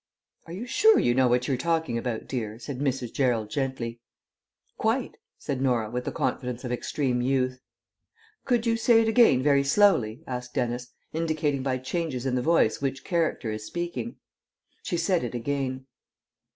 "Are you sure you know what you are talking about, dear?" said Mrs. Gerald gently. "Quite," said Norah with the confidence of extreme youth. "Could you say it again very slowly," asked Dennis, "indicating by changes in the voice which character is speaking?" She said it again.